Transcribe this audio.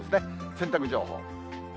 洗濯情報。